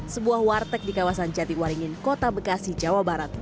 sebuah warteg di kawasan jatiwaringin kota bekasi jawa barat